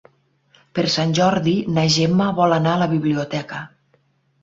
Per Sant Jordi na Gemma vol anar a la biblioteca.